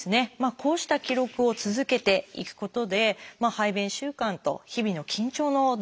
こうした記録を続けていくことで排便習慣と日々の緊張の度合い